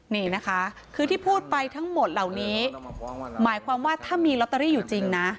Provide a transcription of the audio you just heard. นี่นะคะคือที่พูดไปทั้งหมดเหล่านี้หมายความว่าถ้ามีลอตเตอรี่อยู่จริงนะ